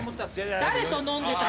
誰と飲んでたの！？